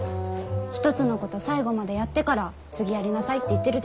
一つのこと最後までやってから次やりなさいって言ってるでしょ？